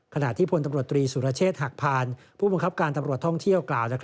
ขณะที่พลตำรวจตรีสุรเชษฐ์หักพานผู้บังคับการตำรวจท่องเที่ยวกล่าว